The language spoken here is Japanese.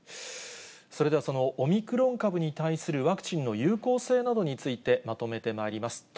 それではそのオミクロン株に対するワクチンの有効性などについて、まとめてまいります。